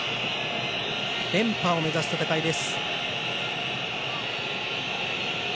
連覇を目指す戦いです。